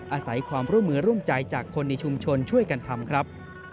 อาศัยความร่วมมือร่วมใจจากคนในชุมชนช่วยกันทำครับ